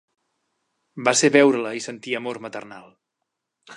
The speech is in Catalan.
Va ser veure-la i sentir amor maternal.